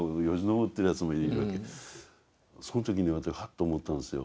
その時に私ハッと思ったんですよ。